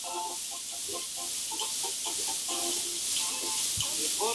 Hasta hace poco se conservaba otra recayente a la plaza Era Lozano.